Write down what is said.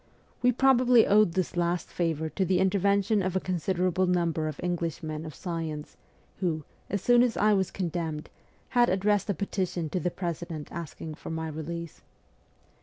We probably owed this last favour to the intervention of a considerable number of English men of science who, as soon as I was condemned, had addressed a petition to the President asking for my release.